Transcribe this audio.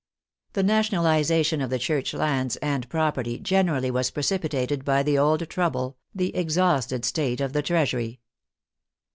The nationalization of the Church lands and property generally was precipitated by the old trouble, the exhausted state of the treasury.